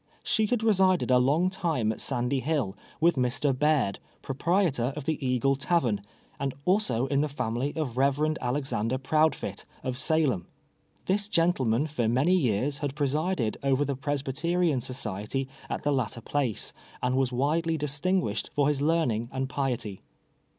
She had resided a long time at Sandy Hill, with Mr. Baird, proprietor of the Eagle Tavern, and also in the family of Rev. Alexander Prondfit, of Salem. This gentleman for many years had presided over the Pres byterian society at the latter place, and was widely distinguished for his learning and piety.